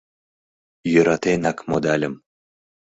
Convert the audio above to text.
Йӧратенак модальым.